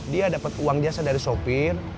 dia dapat uang jasa dari sopir